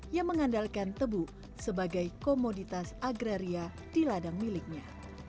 yang mengandalkan tebu sebagai komoditas agraria di ladang miliknya